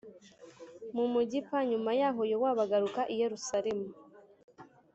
mu mugi p nyuma yaho yowabu agaruka i yerusalemu